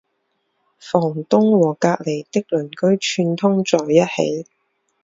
房东和隔壁的邻居串通在一起